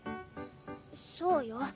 そうよ。